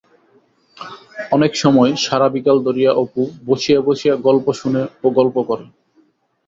অনেক সময় সারা বিকাল ধরিয়া অপু বসিয়া বসিয়া গল্প শোনে ও গল্প করে।